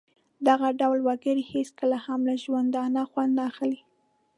دغه ډول وګړي هېڅکله هم له ژوندانه خوند نه اخلي.